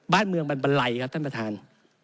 บ้านเมืองมันบันไลครับท่านประธาน